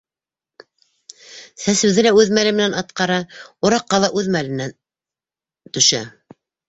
Сәсеүҙе лә үҙ мәле менән атҡара, ураҡҡа ла үҙ мәле менән төшә.